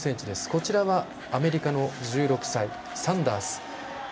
こちらは、アメリカの１６歳サンダース。